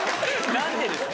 何でですか？